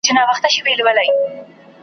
روح مي لاندي تر افسون دی نازوه مي .